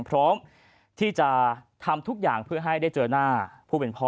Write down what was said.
พร้อมที่จะทำทุกอย่างเพื่อให้ได้เจอหน้าผู้เป็นพ่อ